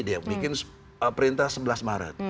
dia bikin perintah sebelas maret